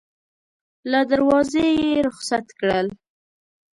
له دروازې یې رخصت کړل.